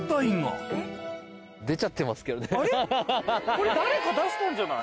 これ誰か出したんじゃない？